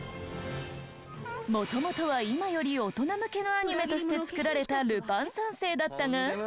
もともとは今より大人向けのアニメとして作られた『ルパン三世』だったが。